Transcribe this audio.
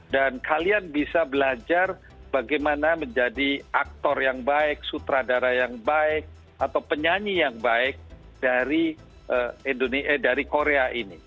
dan kalian bisa belajar bagaimana menjadi aktor yang baik sutradara yang baik atau penyanyi yang baik dari korea ini